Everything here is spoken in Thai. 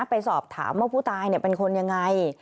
ไปสอบถามว่าผู้ตายเป็นคนยังไง